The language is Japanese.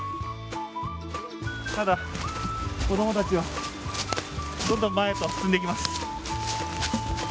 ただ、子供たちはどんどん前へと進んでいきます。